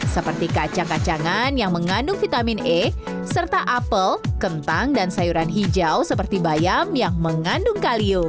seperti kacang kacangan yang mengandung vitamin e serta apel kentang dan sayuran hijau seperti bayam yang mengandung kalium